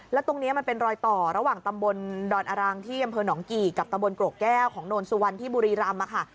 แล้วตรงนี้มันเป็นรอยต่อระหว่างตำบลดอนอรังที่อำเภอหนองกี่กับตำบลกรกแก้วของโนนสุวรรณที่บุรีรำค่ะ